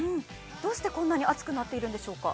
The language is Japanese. どうしてこんなに暑くなっているんでしょうか？